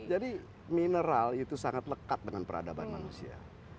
jadi mineral itu sangat lekat dengan peradaban manusia